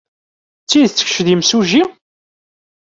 D tidet kečč d imsujji?